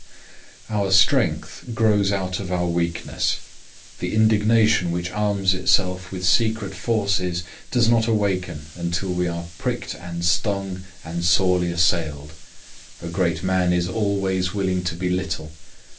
Our strength grows out of our weakness. The indignation which arms itself with secret forces does not awaken until we are pricked and stung and sorely assailed. A great man is always willing to be little.